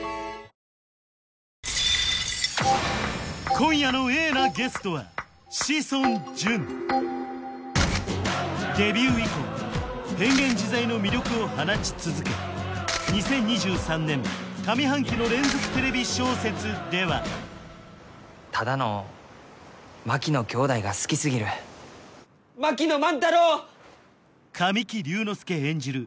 今夜のＡなゲストはデビュー以降変幻自在の魅力を放ち続け２０２３年上半期の連続テレビ小説ではただの槙野きょうだいが好きすぎる槙野万太郎神木隆之介演じる